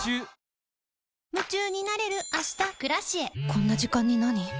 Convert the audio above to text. こんな時間になに？